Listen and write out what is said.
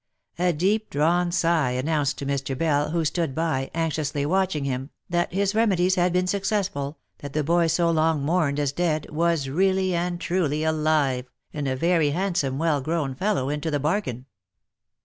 A deep drawn sigh announced to Mr. Bell, who stood by, anxiously watching him, that his remedies had been successful, that the boy so long mourned as dead, was really and truly alive, and a very hand some, well grown fellow into the bargain.